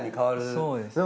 そうですね。